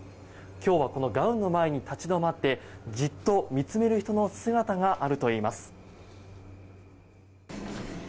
今日はこのガウンの前に立ち止まってじっと見つめる人の姿があるといいます。